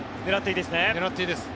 狙っていいです。